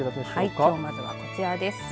きょうまずは、こちらです。